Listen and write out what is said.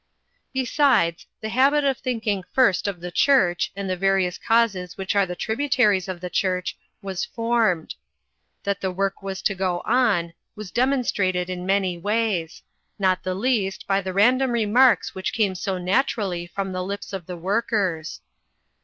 Besides, the habit of thinking first of the church, and the various causes which are the tributaries of the church, was formed. That the work was to go on, was demon strated in many ways ; not the least by the random remarks which came so naturally from the lips of the workers.